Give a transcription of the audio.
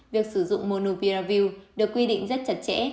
việc sử dụng monupiravir được quy định rất chặt chẽ